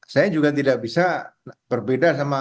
saya juga tidak bisa berbeda sama